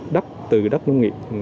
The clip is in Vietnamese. đất từ đất nông nghiệp